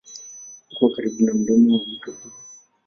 Uko karibu na mdomo wa mto Juba.